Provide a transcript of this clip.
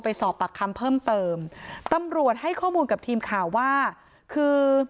สอบปากคำเพิ่มเติมตำรวจให้ข้อมูลกับทีมข่าวว่าคือ